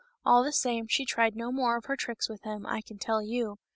All the same, she tried no more of her tricks with him, I can tell you.